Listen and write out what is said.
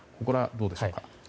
これはどうでしょうか？